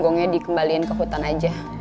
gongnya dikembalikan ke hutan aja